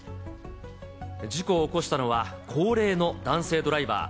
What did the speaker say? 事故を起こしたのは、高齢の男性ドライバー。